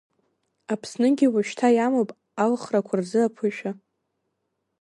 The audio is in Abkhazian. Аԥсынгьы уажәшьҭа иамоуп, алхрақәа рзы аԥышәа.